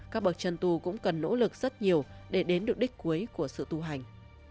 các bậc chân tu cũng cần nỗ lực rất nhiều để đến được đích cuối của sự tu hành